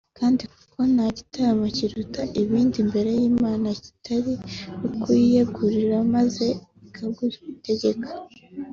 kandi koko nta gitambo kiruta ibindi imbere y’Imana kitari ukuyiyegurira maze ikagutegeka